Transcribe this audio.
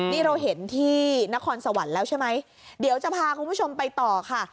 นี่เราเห็นที่นครสวรรค์แล้วใช่ไหมเดี๋ยวจะพาคุณผู้ชมไปต่อค่ะ